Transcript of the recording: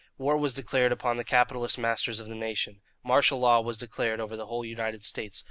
War was declared upon the capitalist masters of the nation. Martial law was declared over the whole United States.